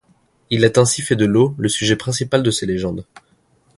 Il a ainsi fait de l'eau le sujet principal de ces légendes.